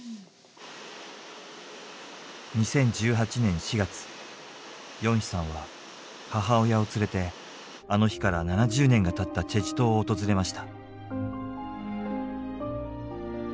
２０１８年４月ヨンヒさんは母親を連れてあの日から７０年がたった済州島を訪れました。